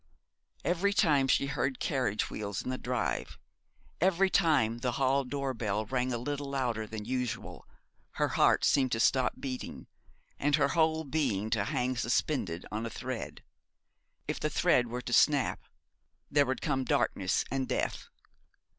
Every time she heard carriage wheels in the drive every time the hall door bell rang a little louder than usual, her heart seemed to stop beating and her whole being to hang suspended on a thread. If the thread were to snap, there would come darkness and death.